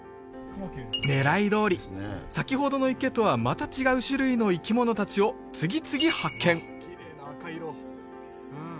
狙いどおり先ほどの池とはまた違う種類の生き物たちを次々発見！